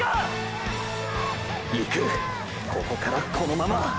ここからこのまま！！